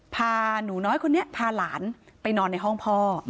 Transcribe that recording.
พาหนูน้อยคนนี้พาหลานไปนอนในห้องพ่อ